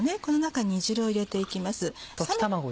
この中に煮汁を入れて行きます。